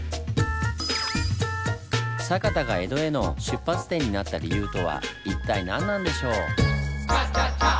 酒田が江戸への出発点になった理由とは一体何なんでしょう？